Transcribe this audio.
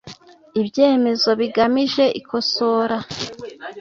Ibyemezo bigamije ikosora